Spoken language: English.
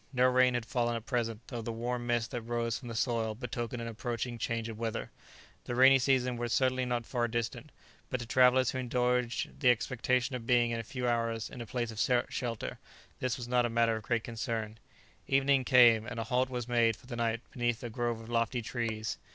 No rain had fallen at present, though the warm mist that rose from the soil betokened an approaching change of weather; the rainy season was certainly not far distant, but to travellers who indulged the expectation of being in a few hours in a place of shelter, this was not a matter of great concern. [Illustration: A halt was made for the night beneath a grove of lofty trees.] Evening came, and a halt was made for the night beneath a grove of lofty trees.